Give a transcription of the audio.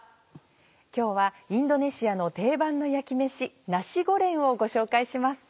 今日はインドネシアの定番の焼き飯「ナシゴレン」をご紹介します。